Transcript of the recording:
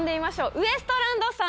ウエストランドさん！